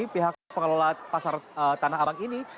pihak pengelola pasar tanah abang ini